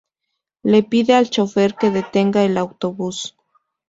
Le pide al chofer que detenga el autobús.